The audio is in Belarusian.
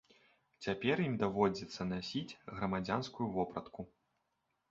Цяпер ім даводзіцца насіць грамадзянскую вопратку.